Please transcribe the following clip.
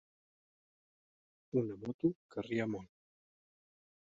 Una moto que arria molt.